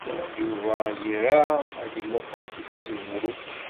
Yuba ira ad yemmuqqel seg tzewwut.